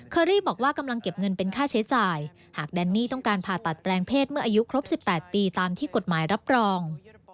อรี่บอกว่ากำลังเก็บเงินเป็นค่าใช้จ่ายหากแดนนี่ต้องการผ่าตัดแปลงเพศเมื่ออายุครบ๑๘ปีตามที่กฎหมายรับรอง